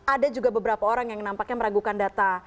ada juga beberapa orang yang nampaknya meragukan data